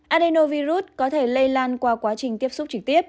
enovirus có thể lây lan qua quá trình tiếp xúc trực tiếp